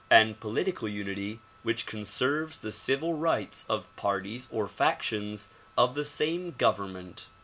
and political unity which conserves the civil rights of parties or factions of the same government.